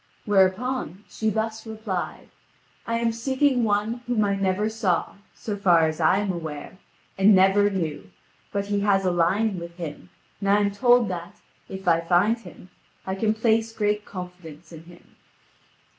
Whereupon, she thus replied: "I am seeking one whom I never saw, so far as I am aware, and never knew; but he has a lion with him, and I am told that, if I find him, I can place great confidence in him."